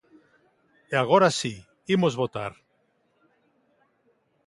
E agora si, imos votar.